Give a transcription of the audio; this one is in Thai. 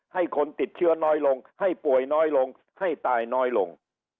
ให้คนติดเชื้อน้อยลงให้ป่วยน้อยลงให้ตายน้อยลง